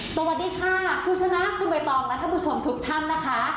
สวัสดีค่าผู้ชนะในชื่อใบตรองณทุกท่านนะคะ